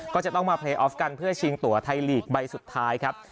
ก็จะต้องมาเพลย์ออฟกันเพื่อชิงตัวไทยลีกใบสุดท้ายครับ